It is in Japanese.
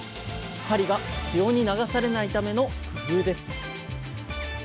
針が潮に流されないための工夫です